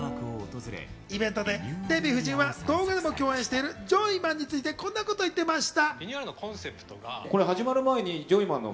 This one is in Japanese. イベントではデヴィ夫人は動画でも共演しているジョイマンについてこんなことを言っていました。